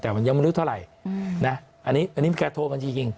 แต่มันยังไม่รู้เท่าไหร่นะอันนี้มีการโทรมาจริง